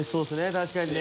確かにね。